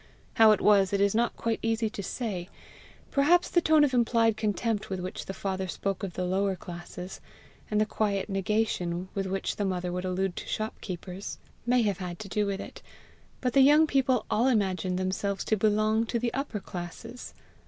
How it was it is not quite easy to say perhaps the tone of implied contempt with which the father spoke of the lower classes, and the quiet negation with which the mother would allude to shopkeepers, may have had to do with it but the young people all imagined themselves to belong to the upper classes!